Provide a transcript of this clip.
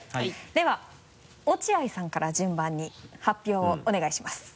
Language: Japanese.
では落合さんから順番に発表をお願いします。